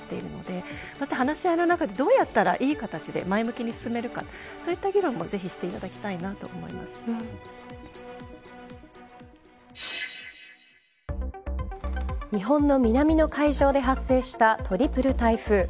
新しい場を生み出していっているので、話し合いの中でどうやったらいい形で前向きに進めるかそういった議論もぜひしていただきたいと日本の南の海上で発生したトリプル台風。